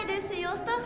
スタッフ。